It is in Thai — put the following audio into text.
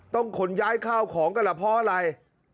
ขนย้ายข้าวของกันล่ะเพราะอะไร